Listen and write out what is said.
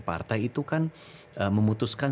partai itu kan memutuskan